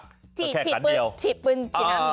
ก็แค่จัดเดียว